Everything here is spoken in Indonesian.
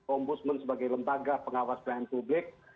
ombudsman sebagai lembaga pengawas pelayanan publik